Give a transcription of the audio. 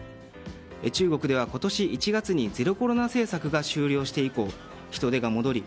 中国では、今年１月にゼロコロナ政策が終了して以降人出が戻り